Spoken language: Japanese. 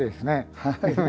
はい。